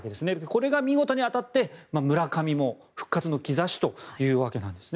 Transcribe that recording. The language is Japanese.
これが見事に当たって村上も復活の兆しというわけでした。